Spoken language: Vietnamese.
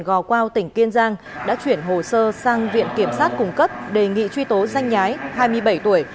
gò quao tỉnh kiên giang đã chuyển hồ sơ sang viện kiểm sát cung cấp đề nghị truy tố danh nhái hai mươi bảy tuổi